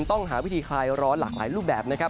ต้องหาวิธีคลายร้อนหลากหลายรูปแบบนะครับ